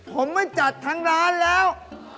ผมไปจัดทางร้านแล้ว